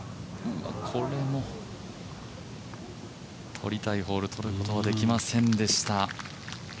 取りたいホール取ることはできませんでした。